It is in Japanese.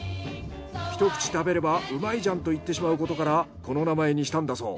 一口食べればうまいじゃんと言ってしまうことからこの名前にしたんだそう。